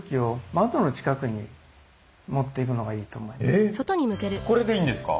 えっこれでいいんですか？